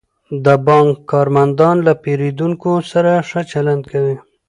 د بانک کارمندان له پیرودونکو سره ښه چلند کوي.